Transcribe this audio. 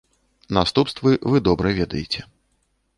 Наступствы вы добра ведаеце.